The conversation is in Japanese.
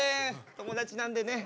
友達なんでね。